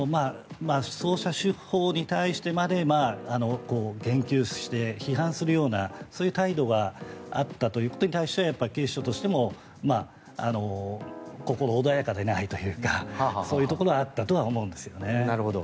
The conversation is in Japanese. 捜査手法に対してまで言及して批判するようなそういう態度があったということに対して警視庁としても心穏やかでないというかそういうところはあったと思うんですよね。